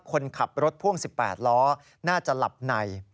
คนขับรถพ่วง๑๘ล้อน่าจะหลับใน